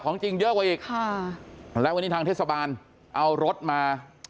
จริงเยอะกว่าอีกค่ะและวันนี้ทางเทศบาลเอารถมา